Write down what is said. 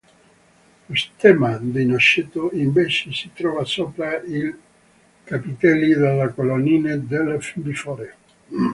Lo Stemma dei Noceto, invece, si trova sopra i capitelli delle colonnine delle bifore.